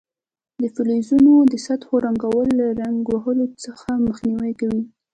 د فلزونو د سطحو رنګول له زنګ وهلو څخه مخنیوی کوي.